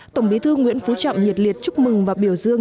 tổng bí thư nguyễn phú trọng nhiệt liệt chúc mừng và biểu dương